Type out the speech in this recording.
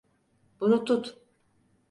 Bunu tut.